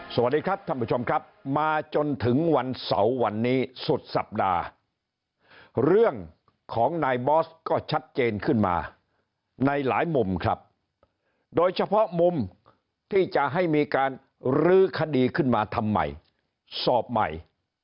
สวัสดีครับท่านผู้ชมครับมาจนถึงวันเสาร์วันนี้สุดสัปดาห์เรื่องของนายบอสก็ชัดเจนขึ้นมาในหลายมุมครับโดยเฉพาะมุมที่จะให้มีการลื้อคดีขึ้นมาทำไมสอบใหม่